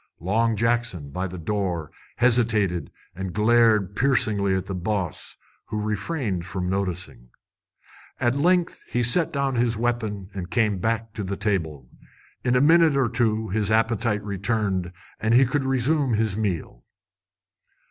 Long Jackson, by the door, hesitated and glared piercingly at the boss, who refrained from noticing. At length he set down his weapon and came back to the table. In a minute or two his appetite returned, and he could resume his meal.